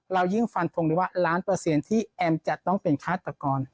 เรายิ่งฟันทงได้ว่าล้านเปอร์เซ็นต์ที่แอมจะต้องเป็นฆาตกร